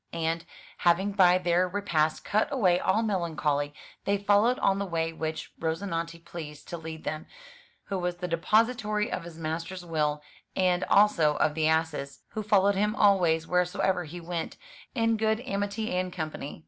And, having by their repast cut away all melancholy, they followed on the way which Rozinante pleased to lead them, who was the depository of his master's will, and also of the ass's, who followed him always wheresoever he went, in good amity and company.